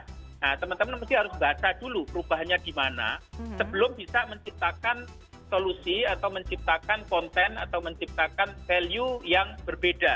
nah teman teman mesti harus baca dulu perubahannya gimana sebelum bisa menciptakan solusi atau menciptakan konten atau menciptakan value yang berbeda